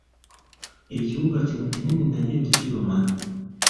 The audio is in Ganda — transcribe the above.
Ekiwuka kino kinene naye tekiruma.